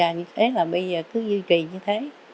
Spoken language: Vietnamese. như thế là bây giờ cứ duy trì như thế